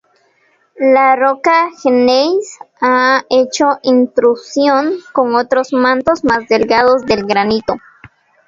La roca gneis ha hecho intrusión con otros mantos más delgados de granito.